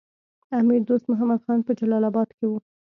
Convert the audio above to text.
امیر دوست محمد خان په جلال اباد کې وو.